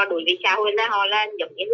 đối với xã hội là họ